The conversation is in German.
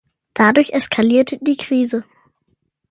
Dadurch eskalierte die Krise.